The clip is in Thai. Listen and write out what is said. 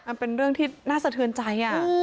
มันเป็นเรื่องที่น่าสะเทือนใจ